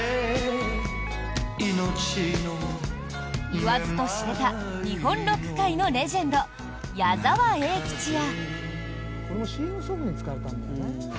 言わずと知れた日本ロック界のレジェンド矢沢永吉や。